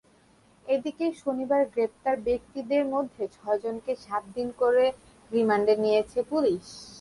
এদিকে, শনিবার গ্রেপ্তার ব্যক্তিদের মধ্যে ছয়জনকে সাত দিন করে রিমান্ডে নিয়েছে পুলিশ।